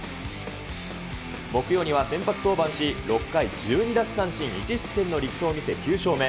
木曜には先発登板し、６回１２奪三振１失点の力投を見せ、９勝目。